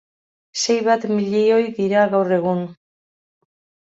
Sei bat milioi dira gaur egun.